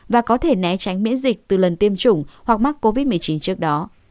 và có thể né tránh miễn dịch từ lần tiêm chủng hoặc mắc covid một mươi chín trước đó